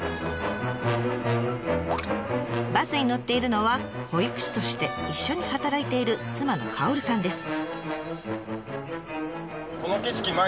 バスに乗っているのは保育士として一緒に働いている妻の薫さんです。